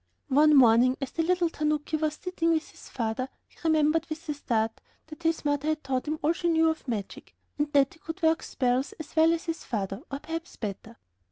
One morning, as the little tanuki was sitting with his father, he remembered, with a start, that his mother had taught him all she knew of magic, and that he could work spells as well as his father, or perhaps better.